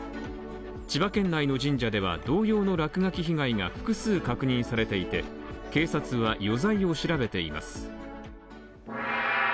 千葉県内の神社では同様の落書き被害が複数確認されていて、警察は、余罪を調べています。